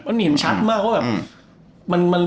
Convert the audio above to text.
มันเห็นชัดมากว่าแบบ